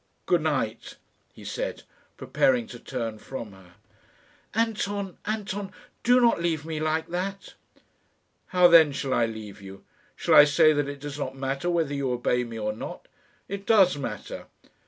"Good night," he said, preparing to turn from her. "Anton, Anton, do not leave me like that." "How then shall I leave you? Shall I say that it does not matter whether you obey me or not? It does matter.